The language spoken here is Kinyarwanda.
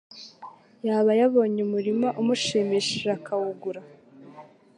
Yaba abonye umurima umushimishije akawugura